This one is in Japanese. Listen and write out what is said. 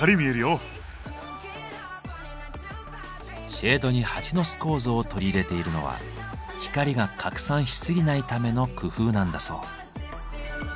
シェードにハチの巣構造を取り入れているのは光が拡散しすぎないための工夫なんだそう。